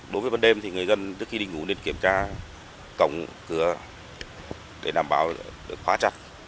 đối với ban đêm thì người dân trước khi đi ngủ nên kiểm tra cổng cửa để đảm bảo được khóa chặt